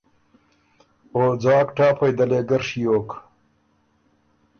او ځاک ټاپئ دلې ګۀ ڒیوک۔